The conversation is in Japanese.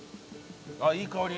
あっいい香り。